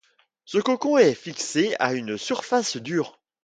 Ce cocon est fixé à une surface dure.